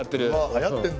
はやってんだ。